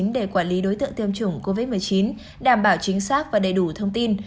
để quản lý đối tượng tiêm chủng covid một mươi chín đảm bảo chính xác và đầy đủ thông tin